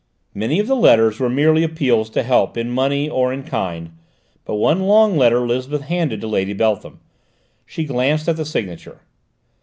Many of the letters were merely appeals to help in money or in kind, but one long letter Lisbeth handed to Lady Beltham. She glanced at the signature.